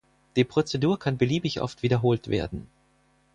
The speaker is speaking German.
Die Prozedur kann beliebig oft wiederholt werden.